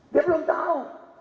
dia belum tahu